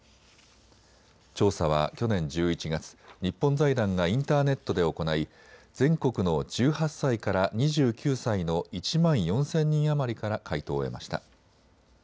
調査は去年１１月、日本財団がインターネットで行い全国の１８歳から２９歳の１万４０００人余りから回答を得ました。